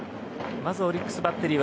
まずオリックスバッテリー